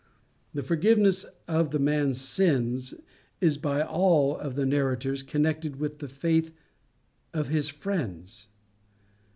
The forgiveness of the man's sins is by all of the narrators connected with the faith of his friends.